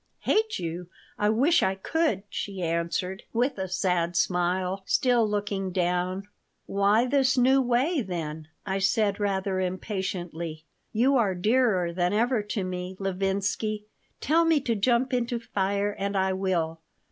"Hate you! I wish I could," she answered, with a sad smile, still looking down. "Why this new way, then?" I said, rather impatiently. "You are dearer than ever to me, Levinsky. Tell me to jump into fire, and I will.